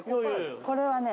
これはね